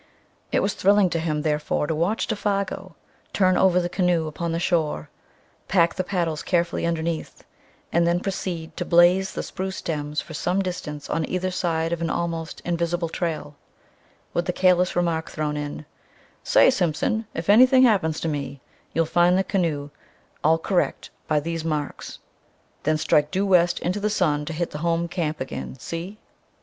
It was thrilling to him, therefore, to watch Défago turn over the canoe upon the shore, pack the paddles carefully underneath, and then proceed to "blaze" the spruce stems for some distance on either side of an almost invisible trail, with the careless remark thrown in, "Say, Simpson, if anything happens to me, you'll find the canoe all correc' by these marks; then strike doo west into the sun to hit the home camp agin, see?"